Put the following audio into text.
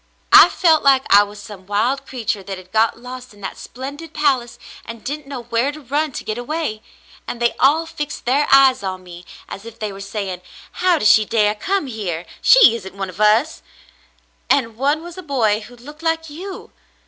"I felt like I was some wild creature that had got lost in that splendid palace and didn't know where to run to get away; and they all fixed their eyes on me as if they were saying :* How does she dare come here ? She isn't one of us !' and one was a boy who looked like you.